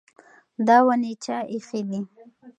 دا ونې چا ایښې دي؟